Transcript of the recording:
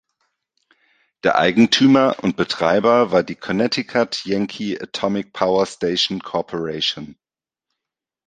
Der Eigentümer und Betreiber war die Connecticut Yankee Atomic Power Station Corporation.